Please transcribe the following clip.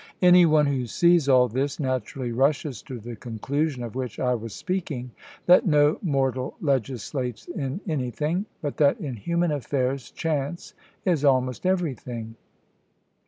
Any one who sees all this, naturally rushes to the conclusion of which I was speaking, that no mortal legislates in anything, but that in human affairs chance is almost everything.